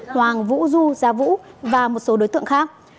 hoàng vũ du gia vũ và một số đối tượng khác